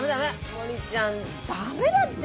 森ちゃんダメだって！